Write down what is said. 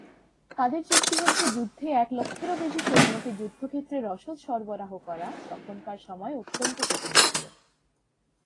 তাদের যুক্তি হচ্ছে যুদ্ধে এক লক্ষেরও বেশি সৈন্যকে যুদ্ধক্ষেত্রে রসদ সরবরাহ করা তখনকার সময়ে অত্যন্ত কঠিন ছিল।